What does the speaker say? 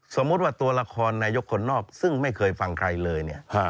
สมมุติว่าตัวละครนายกคนนอกซึ่งไม่เคยฟังใครเลยเนี่ย